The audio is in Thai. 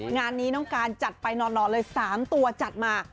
งานนี้น้องการจัดไปหล่อเลย๓ตัวจัดมา